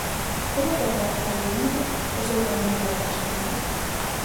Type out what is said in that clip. Como atopa a libido o seu camiño cara á fixación?